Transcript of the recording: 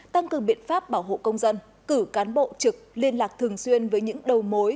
tăng cường biện pháp bảo hộ công dân cử cán bộ trực liên lạc thường xuyên với những đầu mối